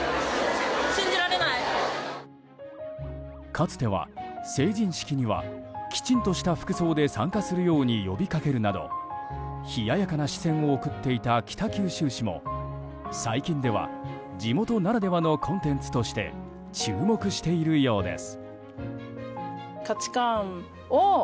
かつては成人式にはきちんとした服装で参加するように呼び掛けるなど冷ややかな視線を送っていた北九州市も最近では地元ならではのコンテンツとして注目しているようです。